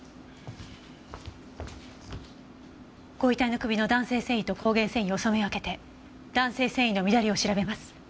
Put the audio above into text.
ご遺体の首の弾性繊維と膠原繊維を染め分けて弾性繊維の乱れを調べます。